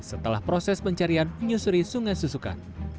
setelah proses pencarian menyusuri sungai susukan